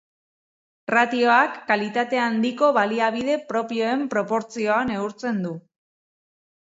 Ratioak kalitate handiko baliabide propioen proportzioa neurtzen du.